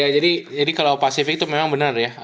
ya jadi jadi kalau pacific itu memang benar ya